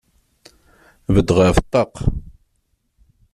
Beddeɣ ɣef ṭṭaq.